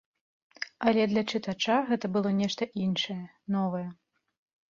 Але для чытача гэта было нешта іншае, новае.